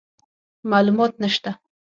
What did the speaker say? معلومات نشته،